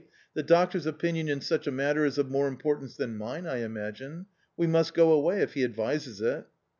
The doctor's opinion in. such a matter is of more importance than mine, I imagine. We must go away, if he advises it."